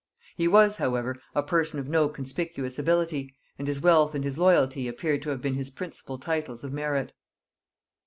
He was however a person of no conspicuous ability, and his wealth and his loyalty appear to have been his principal titles of merit.